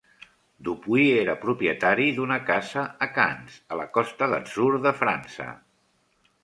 Dupuy era propietari d'una casa a Cannes, a la Costa d'Atzur de França.